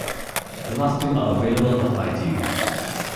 The last two are available on iTunes.